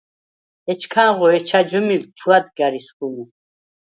ეჩქანღო ეჩა ჯჷმილდ ჩუ̂ადგა̈რ ისგუ̂ა მუ”.